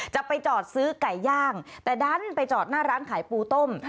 จะไปจอดซื้อไก่ย่างแต่ดันไปจอดหน้าร้านขายปูต้ม